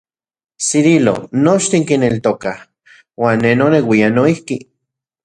Cirilo, nochtin kineltokaj, uan ne noneuian noijki.